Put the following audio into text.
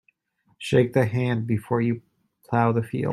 Shake the hand before you plough the field.